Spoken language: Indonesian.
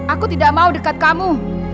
aku tidak mau dekat kamu